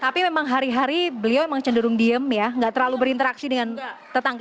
tapi memang hari hari beliau memang cenderung diem ya nggak terlalu berinteraksi dengan tetangga